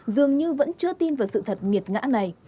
dường như vẫn chưa tin vào sự thật nghiệt ngã này